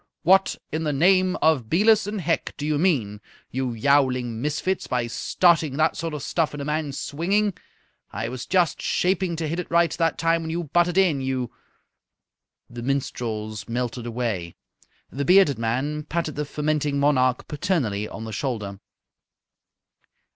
What in the name of Belus and Hec do you mean, you yowling misfits, by starting that sort of stuff when a man's swinging? I was just shaping to hit it right that time when you butted in, you " The minstrels melted away. The bearded man patted the fermenting monarch paternally on the shoulder.